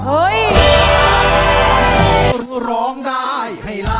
เฮ้ย